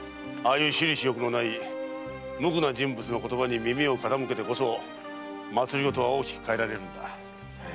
いう私利私欲のない無垢な人物の言葉に耳を傾けてこそ政は大きく変えられるのだ。